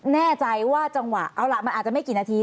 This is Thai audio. แน่ใจว่าจังหวะเอาล่ะมันอาจจะไม่กี่นาที